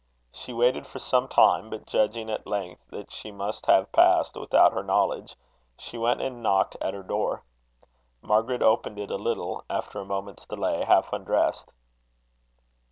She waited for some time; but judging, at length, that she must have passed without her knowledge, she went and knocked at her door. Margaret opened it a little, after a moment's delay, half undressed.